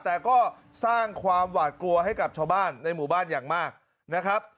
แต่ก็สร้างความหวาดกลัวให้กับชาวบ้านในหมู่บ้านอย่างมากนะครับ